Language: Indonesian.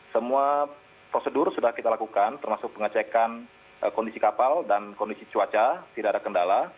semua prosedur sudah kita lakukan termasuk pengecekan kondisi kapal dan kondisi cuaca tidak ada kendala